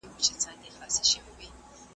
په هوا کي پاچهي وه د بازانو .